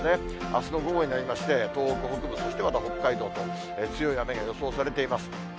あすの午後になりまして、東北北部、そしてまた北海道と、強い雨が予想されています。